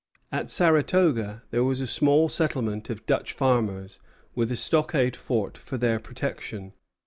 ] At Saratoga there was a small settlement of Dutch farmers, with a stockade fort for their protection.